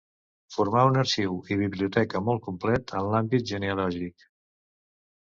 Formà un arxiu i biblioteca molt complet en l'àmbit genealògic.